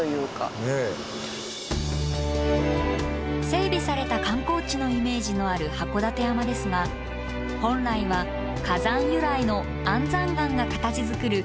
整備された観光地のイメージのある函館山ですが本来は火山由来の安山岩が形づくる